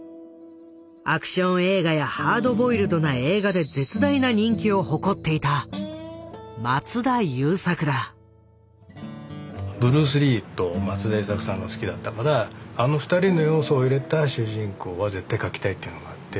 アクション映画やハードボイルドな映画で絶大な人気を誇っていたブルース・リーと松田優作さんが好きだったからあの２人の要素を入れた主人公は絶対描きたいっていうのがあって。